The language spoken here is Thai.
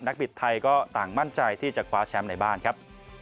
บิดไทยก็ต่างมั่นใจที่จะคว้าแชมป์ในบ้านครับ